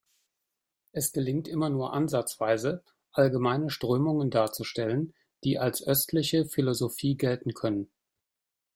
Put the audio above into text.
Es gelingt immer nur ansatzweise, allgemeine Strömungen darzustellen, die als östliche Philosophie gelten können.